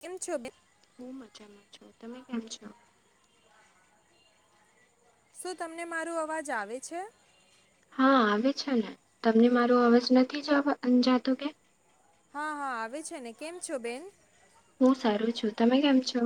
કેમ છો, બેન? હું મજામાં છું, તમે કેમ છો? શું તમને મારુ અવાજ આવે છે? હા આવે છે, ને તમને મારો અવાજ નથી જ જા તુ કે. હા હા આવે છે, ને કેમ છો બેન. હું સારું છું, તમે કેમ છો.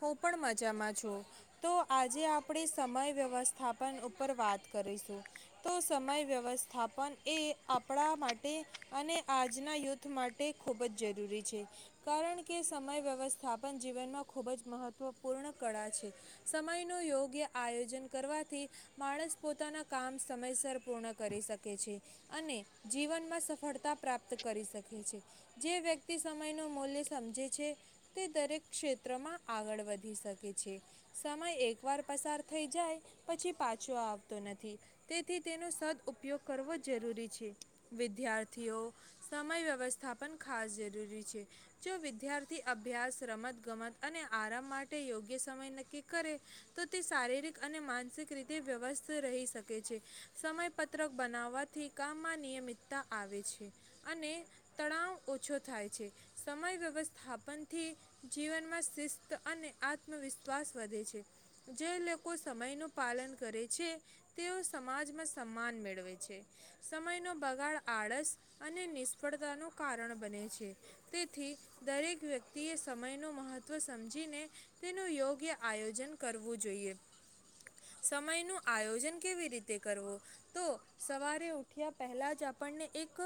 હું પણ મજામાં છું, તો આજે આપણે સમય વ્યવસ્થાપન ઉપર વાત કરીશું તો સમય વ્યવસ્થાપન એ આપણા માટે અને આજના યુથ માટે ખૂબ જ જરૂરી છે, કારણ કે સમય વ્યવસ્થાપન જીવનમાં ખૂબ જ મહત્ત્વપૂર્ણ કળા છે, સમયનું યોગ્ય આયોજન કરવાથી માણસ પોતાના કામ સમયસર પૂર્ણ કરી શકે છે, અને જીવનમાં સફળતા પ્રાપ્ત કરી શકે છે, જે વ્યક્તિ સમયનું મૂલ્ય સમજે છે, તે દરેક ક્ષેત્ર શેત્રમાં આગળ વધી શકે છે, સમય એકવાર પસાર થઈ જાય પછી પાછો આવતો નથી, તેથી તેનો સદઉયોગ કરવો જરૂરી છે, વિદ્યાર્થીઓ સમય વ્યવસ્થા પણન ખાસ જરૂરી છે, જો વિદ્યાર્થી અભ્યાસ રમત ગમત અને આરામ માટે યોગ્ય સમય નક્કી કરે તો તે શારીરિક અને માનસિક રીતે વ્યવસ્થ રહી શકે છે, સમયપત્રક બનાવવાથી કામમાં નિયમિતતા આવે છે, અને તણાવ ઓછો થાય છે, સમય વ્યવસ્થાપનથી જીવનમાં શિસ્ત અને આત્મવિશ્વાસ વધે છે, જે લોકો સમયનું પાલન કરે છે, તેઓ સમાજમાં સન્માન મેળવે છે, સમયનો બગાડ આળસ અને નિષ્ફળતાનું કારણ બને છે, તેથી દરેક વ્યક્તિએ સમયનું મહત્વ ત્વ સમજીને તેનું યોગ્ય આયોજન કરવું જોઈએ, સમય નું આયોજન કેવી રીતે કરવું તો સવારે ઉઠ્યા પહેલા જ આપણને એક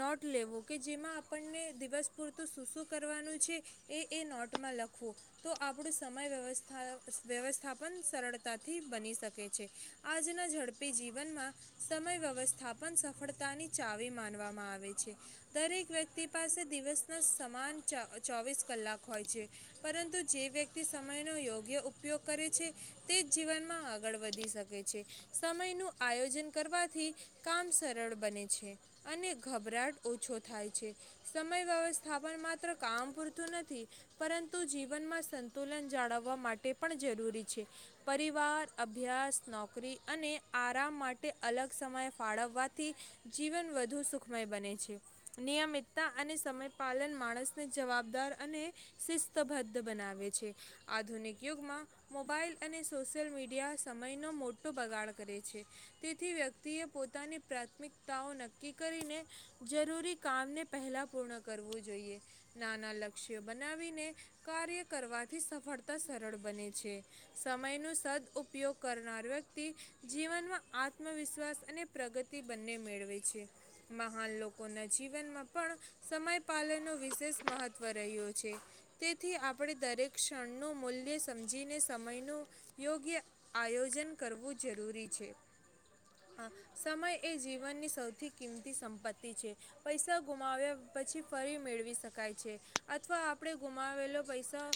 નોટ લેવો કે જેમાં આપણને દિવસ પૂરતું શું શું કરવાનું છે, એ એ નોટમાં લખ લખવું તો આપણું સમય વ્યવસ્થા વ્યવસ્થાપન સરળતાથી બની શકે છે, આજના ઝડપી જીવનમાં સમય વ્યવસ્થાપન સફળતાની ચાવી માનવામાં આવે છે, દરેક વ્યક્તિ પાસે દિવસના સમાન ચા ચોવીસ કલાક હોય છે. પરંતુ જે વ્યક્તિ સમયનો યોગ્ય ઉપયોગ કરે છે, તે જ જીવનમાં આગળ વધી શકે છે, સમયનું આયોજન કરવાથી કામ સરળ બને છે, અને ગભરાટ ઓછો થાય છે, સમય વ્યવસ્થા પણ માત્ર કામ પૂરતું નથી. પરંતુ જીવનમાં સંતુલન જાળવવા માટે પણ જરૂરી છે, પરિવાર, અભ્યાસ, નોકરી, અને આરામ, માટે અલગ સમય ફાળવવાથી જીવન વધુ સુખમય બને છે, નિયમિતતા અને સમયપલન માણસને જવાબદાર અને શિસ્તબદ્ધ બનાવે છે, આધુનિક યુગમાં મોબાઈલ અને સોશિયલ મીડિયા સમયનો મોટો બગાડ કરે છે, તેથી વ્યક્તિએ પોતાની પ્રાથમિકતાઓ નક્કી કરીને જરૂરી કામને પહેલા પૂર્ણ કરવું જોઈએ, નાના લક્ષ બનાવીને કાર્ય કરવાથી સફળતા સરળ બને છે, સમય ન સદ ઉપયોગ કરનાર વ્યક્તિ જીવનમાં આત્મવિશ્વાસ અને પ્રગતિ બંને મેળવે છે, મહાન લોકોના જીવનમાં પણ સમય પાલન ન વિશેષ મહત્વ રહ્યો છે, તેથી આપણે દરેક ક્ષણ નું મૂલ્ય સમજીને સમય નું યોગ્ય આયોજન કરવું જરૂરી છે, હા સમય એ જીવનની સૌથી કિંમતી સંપત્તિ છે, પૈસા ગુમાવ્યા પછી ફરી મેળવી શકાય છે. અથવા આપણે ગુમાવેલો પૈસા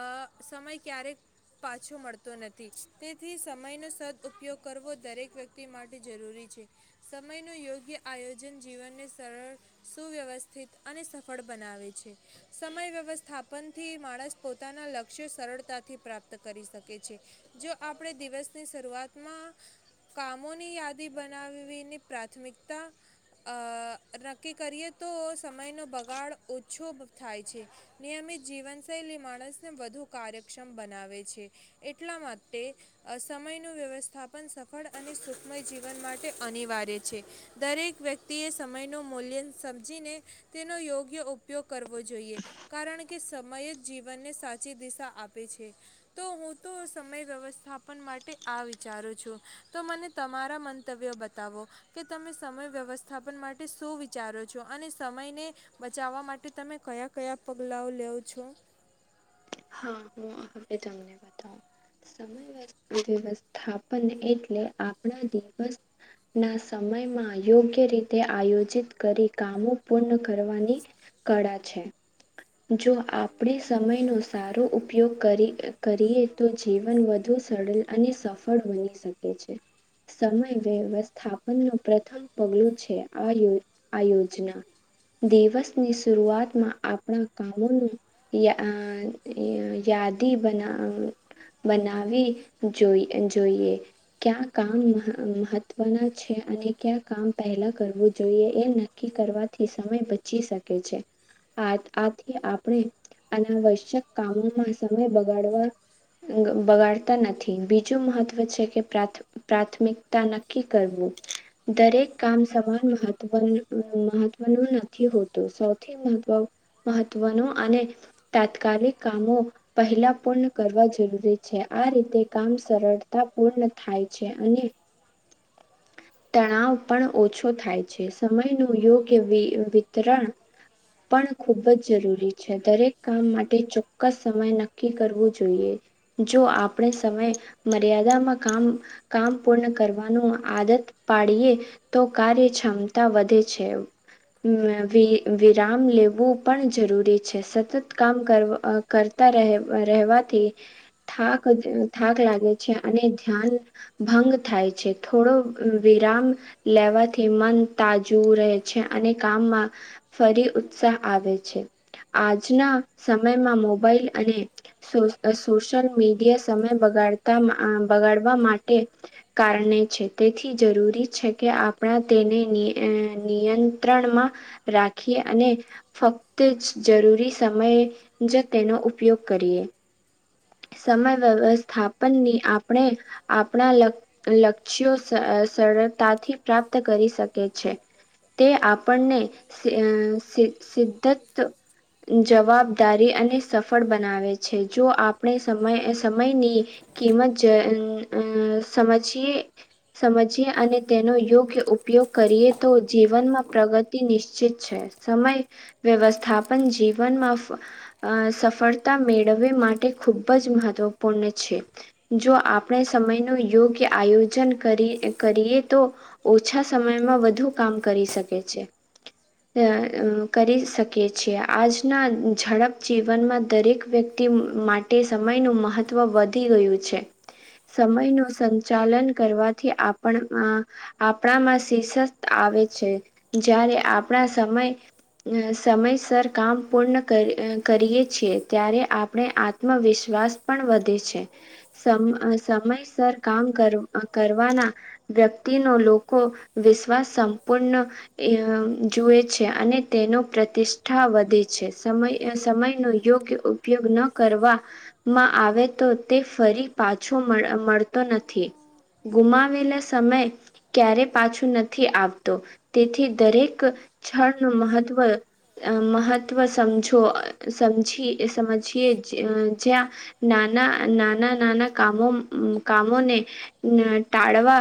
આ સમય ક્યારેક પાછો મળતો નથી, તેથી સમયનો સદઉયોગ કરવો દરેક વ્યક્તિ માટે જરૂરી છે, સમયનું યોગ્ય આયોજન જીવનને સરળ સુવ્યવસ્થિત અને સફળ બનાવે છે. સમય વ્યવસ્થાપનથી માણસ પોતાના લક્ષ્ય સરળતાથી પ્રાપ્ત કરી શકે છે, જો આપણે દિવસની શરૂઆતમાં કામોની યાદી બનાવવીની પ્રાથમિકતા નક્કી કરીએ તો સમયનો બગાડ ઓછો થાય છે, નિયમિત જીવનશૈલી માણસને વધુ કાર્યક્ષમ બનાવે છે, એટલા માટે સમયનું વ્યવસ્થાપન સફળ અને સુખમય જીવન માટે અનિવાર્ય છે, દરેક વ્યક્તિએ સમયનું મૂલ્ય સમજીને તેનો યોગ્ય ઉપયોગ કરવો જોઈએ, કારણ કે સ સમય જ જીવનને સાચી દિશા આપે છે, તો હું તો સમય વ્યવસ્થાપન માટે આ વિચારું છું. તો મને તમારા મંતવ્યો બતાવો કે તમે સમય વ્યવસ્થાપન માટે શું વિચારો છો, અને સમયને બચાવવા માટે તો તમે કયા કયા પગલાંઓ લેવો છો. હા હ હવે તમને બતાવ સમય વ્યવસ્થાપન એટલે આપણા દિવસ ના સમયમાં યોગ્ય રીતે આયોજિત કરી કામો પૂર્ણ કરવાની કળા છે, જો આપણે સમય નું સારો ઉપયોગ કરી કરીએ તો જીવન વધુ સરલ અને સફળ બની શકે છે. સમય વ્યવસ્થાપન નું પ્રથમ પગલું છે, આ આ યો આ યોજના દિવસની શુંરૂઆતમાં આપણા કામોનું યે આ [unintelligible] યાદી બના બનાવી જોઈ જોઈએ ક્યા કામ મહા મહત્વના છે, અને ક્યા કામ પહેલા કરવું જોઈએ, એ નક્કી કરવાથી સમય બચી શકે છે, આ આથી આપણે અનાવશ્યક કામ સમય બગાડવા બગાડતા નથી, બીજું મહત્વ છે, કે પ્રાથ પ્રાથમિકતા નક્કી કરવું દરેક કામ સમાન મહત્વ મહત્વનું નથી હોતું, સૌથી મહત્વ મહત્વનું અને તાત્કાલિક કામો પહેલા પૂર્ણ કરવા જરૂરી છે, આ રીતે કામ સરળતા પૂર્ણ થાય છે, અને તણાવ પણ ઓછો થાય છે, સમયનું યોગ્ય વિ વિતરણ પણ ખૂબ જ જરૂરી છે, દરેક કામ માટે ચો ક્કસ સમય નક્કી કરવું જોઈએ, જો આપણે સમય મર્યાદામાં કામ કામ પૂર્ણ કરવાનું આદત પાડીએ તો કાર્યક્ષ્મતા વધે છે, વિ વિરામ લેવું પણ જરૂરી છે, સતત કામ કર કરતા રહેવા રહેવાથી થાક થાક લાગે છે, અને ધ્યાન ભંગ થાય છે, થોડો વિરામ લેવાથી મન તાજું રહે છે, અને કામમાં ફરી ઉત્સાહ આવે છે, આજના સમયમાં મો મોબાઈલ અને સો સોશિયલ મીડિયા સમય બગાડતા આ બગાડવા માટે કારણે છે, તેથી જરૂરી છે, કે આપણા તેને આ નિયંત્રણમાં રાખી અને ફક્ત જ જરૂરી સમય જ તેનો ઉપયોગ કરીએ. સમય વ્યવસ્થાપનની આપણે આપણા લ લક્ષ્યો સરળતાથી પ્રાપ્ત કરી શકે છે તે આપણને સિઘ્ સિ્ધત જવાબદારી અને સફળ બનાવે છે જો આ આપણે સમય સમયની કિંમત અ સમજીએ સમજીએ અને તેનો યોગ્ય ઉપયોગ કરીએ તો જીવનમાં પ્રગતિ નિશ્ચિત છે. સમય વ્યવસ્થાપન જીવનમાં સફળતા મેળવે માટે ખૂબ જ મહત્વપૂર્ણ છે જો આપણે સમયનું યોગ્ય આયોજન કરી કરીએ તો ઓછા સમયમાં વધુ કામ કરી શકે છે. કરી શકી છીએ આજના ઝડપ જીવનમાં દરેક વ્યક્તિ મા કે સમયનું મહત્વ વધી ગયું છે સમયનું સંચાલન કરવાથી આપણા આપણામાં શીર્ષક આવે છે જ્યારે આપણા સમય સમયસર કામ પૂર્ણ કર કરીએ છીએ ત્યારે આપણે આ આત્મવિશ્વાસ પણ વધે છે. સમ સમયસર કામ કર કરવાના વ્યક્તિનો લોકો વિશ્વાસ સંપૂર્ણ જુએ છે અને તેનો પ્રતિષ્ઠા વધે છે સમય સમયનો યોગ્ય ઉપયોગ ન કરવાવામાં આવે તો તે ફરી પાછો મળ મળતો નથી. ગુમાવેલા સમય ક્યારે પાછું નથી આવતો તેથી દરેક છણ નુ મહત્વ મહત્વ સમજો સમજી સમજીએ. જ્યાં નાના-નાના, નાના કામો કામોને ટાળવા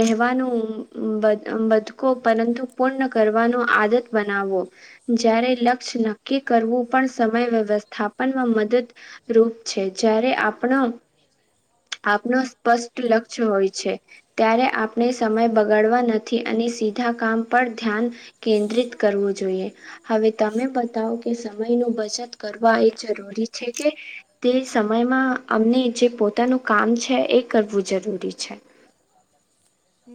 રહેવાનું બદકો પરંતુ, પૂર્ણ કરવાનો આદત બનાવો જ્યારે લક્ષ્ય નક્કી કરવું, પણ સમય વ્યવસ્થાપનમાં મદદ રૂપ છે જ્યારે આપણ આપનો સ્પષ્ટ લક્ષ્ય હોય છે. ત્યારે આપણે સમય બગાડવા નથી અને સીધા કામ પર ધ્યાન કેન્દ્રિત કરવું જોઈએ, હવે તમે બતાવો કે સમયનું બચત કરવા એ જરૂરી છે કે તે સમયમાં અમને જે પોતાનું કામ છે એ કરવું જરૂરી છે.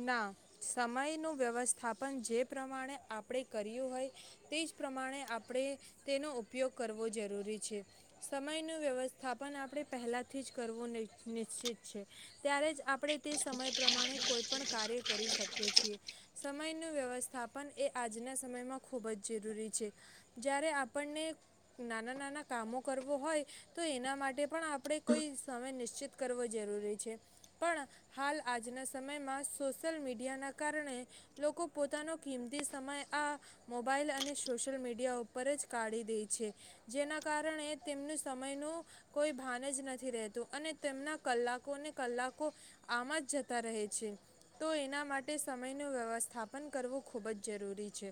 ના સમયનું વ્યવસ્થાપન જે પ્રમાણે આપણે કર્યું હોય તે જ પ્રમાણે આપણે તેનો ઉપયોગ કરવો જરૂરી છે. સમયનું વ્યવસ્થાપન આપણે પહેલાંથી જ કરવું નિશ્ચિત છે ત્યારે જ આપણે તે સમય પ્રમાણે કોઈપણ કાર્ય કરી શકીએ છીએ. સમયનું વ્યવસ્થાપન એ આજના સમયમાં ખૂબ જ જરૂરી છે જ્યારે આપણને નાના નાના કામો કરવો હોય તો એના માટે પણ આપણે કોઈ સમય નિશ્ચિત કરવો જરૂરી છે પણ હાલ આજના સમયમાં સોશિયલ મીડિયાના કારણે લોકો પોતાનો કિંમતી સમય આ મોબાઈલ અને સોશિયલ મીડિયા ઉપર જ કાઢી દે છે, જેના કારણે તેમનું સમયનું કોઈ ભાન જ નથી રહેતું અને તેમના કલાકોને કલાકો આમાં જ જતા રહે તો એના માટે સમયનું વ્યવસ્થાપન કરવું ખૂબ જ જરૂરી છે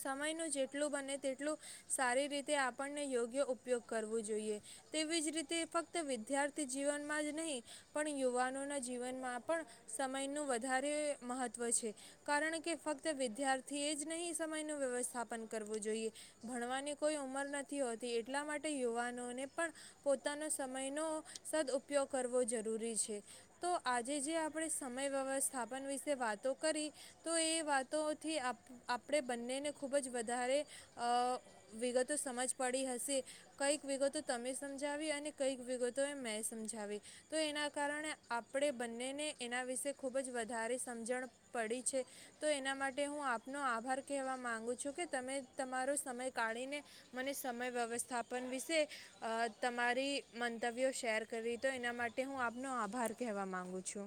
સમયનું જેટલું બને તેટલું સારી રીતે આપણને યોગ્ય ઉપયોગ કરવો જોઈએ, તેવી જ રીતે ફક્ત વિદ્યાર્થી જીવનમાં જ નહીં પણ યુવાનોના જીવનમાં પણ સમયનું વધારે મહત્ત્વ છે, કારણકે ફક્ત વિદ્યાર્થીએ જ નહીં સમયનું વ્યવસ્થાપન કરવું જોઈએ. ભણવાની કોઈ ઉંમર નથી હોતી, એટલા માટે યુવાનોને પણ પોતાનો સમયનો સદઉપયોગ કરવો જરૂરી છે, તો આજે જે આપ આપણે સમય વ્યવસ્થાપન વિશે વાતો કરી તો એ વાતોથી આપ આપડે બંનેને ખૂબજ વધારે અહ વિગતો સમજ પડી હશે. કંઈક વિગતો તમે સમજાવી અને કંઈક વિગતોએ મેં સમજાવી તો એના કારણે આપડે બંનેને એના વિશે ખૂબજ વધારે સમજણ પડી છે, તો એના માટે હું આપનો આભાર કહેવા માગું છું કે તમે તમારો સમય કાઢીને મને સમય વ્યવસ્થાપન વિશે તમારી મંતવ્યો શેર કરવી, તો એના માટે હું આપનો આભાર કહેવા માગું છું.